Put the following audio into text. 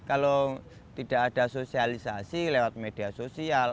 kalau tidak ada sosialisasi lewat media sosial